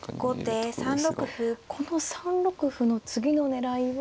この３六歩の次の狙いは。